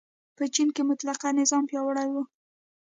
په چین کې مطلقه نظام پیاوړی و.